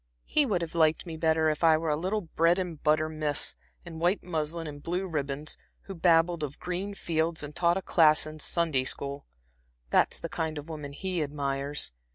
"He would have liked me better if I were a little bread and butter miss, in white muslin and blue ribbons, who babbled of green fields and taught a class in Sunday school. That's the kind of woman he admires.